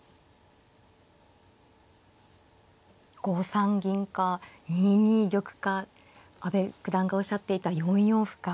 ５三銀か２二玉か阿部九段がおっしゃっていた４四歩か。